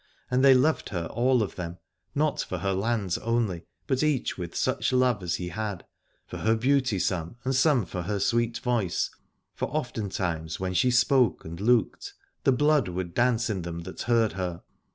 And they loved her all of them, not for her lands only, but each with such love as he had : for her beauty some, and some for her sweet voice, for oftentimes when she spoke and looked the blood would dance in them that heard her.